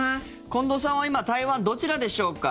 近藤さんは今台湾、どちらでしょうか？